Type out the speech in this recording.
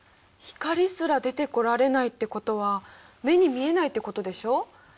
光すら出てこられないってことは目に見えないってことでしょう。